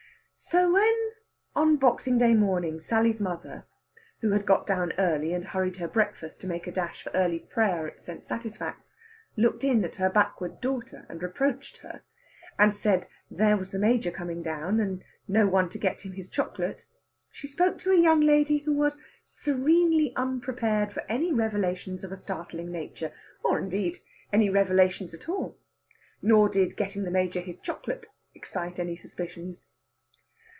So when, on Boxing Day morning, Sally's mother, who had got down early and hurried her breakfast to make a dash for early prayer at St. Satisfax, looked in at her backward daughter and reproached her, and said there was the Major coming down, and no one to get him his chocolate, she spoke to a young lady who was serenely unprepared for any revelations of a startling nature, or, indeed, any revelations at all. Nor did getting the Major his chocolate excite any suspicions.